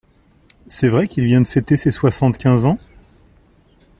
C’est vrai qu’il vient de fêter ses soixante-quinze ans?